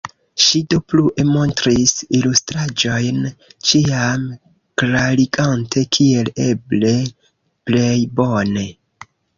Ŝi do plue montris ilustraĵojn, ĉiam klarigante kiel eble plej bone.